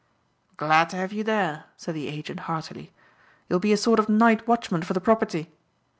"Glad to have you there," said the agent heartily, "you'll be a sort of night watchman for the property."